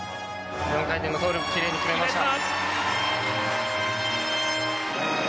４回転のトウループきれいに決めました！